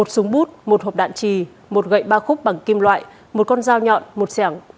một súng bút một hộp đạn trì một gậy ba khúc bằng kim loại một con dao nhọn một sẻng